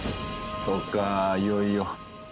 そうかいよいよ。